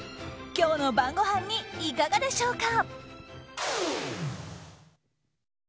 今日の晩ごはんにいかがでしょうか。